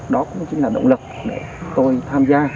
đó cũng chính là động lực để tôi tham gia